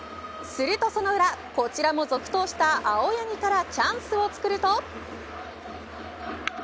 するとその裏、こちらも続投した青柳からチャンスを作ると。